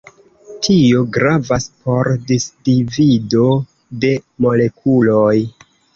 Tio gravas por disdivido de molekuloj.